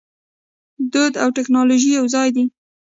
دود او ټیکنالوژي یوځای دي.